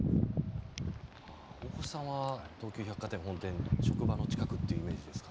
大越さんは東急百貨店・本店が職場の近くというイメージですか。